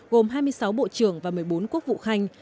gồm hai mươi sáu bộ trưởng và một mươi bốn quốc vụ khanh